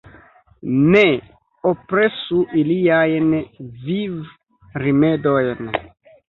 Ne opresu iliajn vivrimedojn.